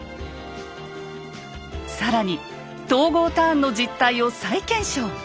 更に東郷ターンの実態を再検証。